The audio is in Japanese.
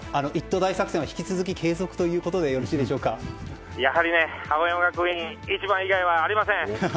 大作戦は引き続き継続ということでやはりね、青山学院一番以外はありません。